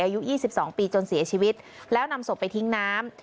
อายุ๒๒ปีจนเสียชีวิตแล้วนำศพไปทิ้งน้ำ